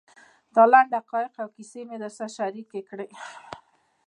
دا لنډ حقایق او کیسې مې در سره شریکې کړې.